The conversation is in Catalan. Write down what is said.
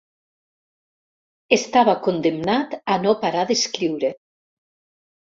Estava condemnat a no parar d'escriure.